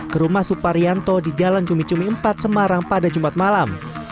ke rumah suparyanto di jalan cumi cumi empat semarang pada jumat malam